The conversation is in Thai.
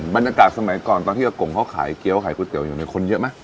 บรรยากาศสมัยก่อนตอนที่อากงเขาขายเกี้ยวขายก๋วเตี๋ยอยู่เนี่ยคนเยอะไหม